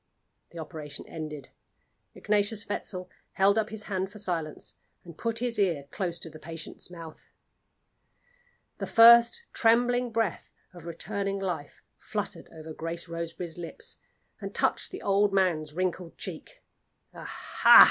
The operation ended. Ignatius Wetzel held up his hand for silence and put his ear close to the patient's mouth. The first trembling breath of returning life fluttered over Grace Roseberry's lips and touched the old man's wrinkled cheek. "Aha!"